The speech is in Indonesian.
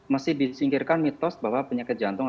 masih disingkirkan mitos bahwa penyakit jantung